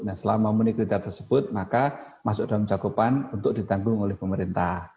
nah selama memenuhi kriteria tersebut maka masuk dalam cakupan untuk ditanggung oleh pemerintah